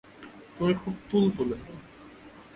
তুমি খুব তুলতুলে!